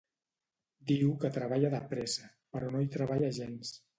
Diu que treballa de pressa, però no hi treballa gens.